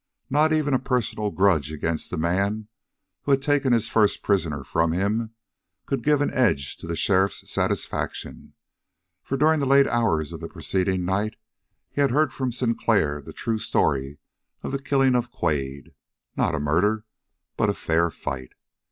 Not even a personal grudge against the man who had taken his first prisoner from him, could give an edge to the sheriff's satisfaction, for, during the late hours of the preceding night he had heard from Sinclair the true story of the killing of Quade; not a murder, but a fair fight.